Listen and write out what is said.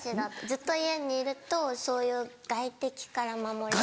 ずっと家にいるとそういう外敵から守れる。